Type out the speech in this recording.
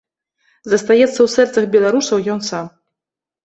Застаецца ў сэрцах беларусаў ён сам.